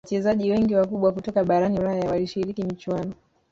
wachezaji wengi wakubwa kutoka barani ulaya walishiriki michuano